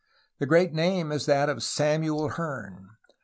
The great name is that of Samuel Heame.